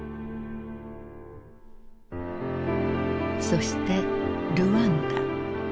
そしてルワンダ。